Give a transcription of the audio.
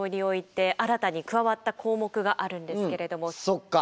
そっか。